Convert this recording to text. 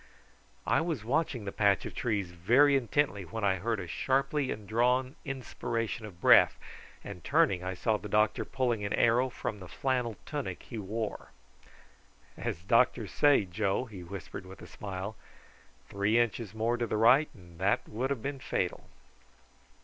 I was watching the patch of trees very intently when I heard a sharply drawn inspiration of breath, and turning I saw the doctor pulling an arrow from the flannel tunic he wore. "As doctors say, Joe," he whispered with a smile, "three inches more to the right and that would have been fatal."